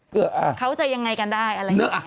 เขาจะยังไงกันได้อะไรแบบเนี้ย